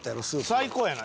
最高やな。